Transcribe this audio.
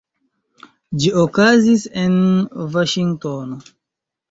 Ĝi okazis en Vaŝingtono.